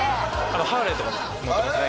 ハーレーとか乗ってますね